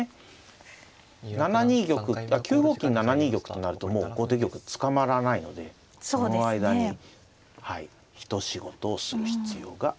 ７二玉９五金７二玉となるともう後手玉捕まらないのでその間に一仕事をする必要があります。